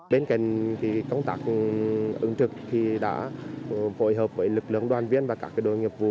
bên cạnh công tác ứng trực đã hội hợp với lực lượng đoàn viên và các đội nghiệp vụ